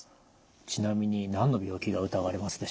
ちなみに何の病気が疑われますでしょう？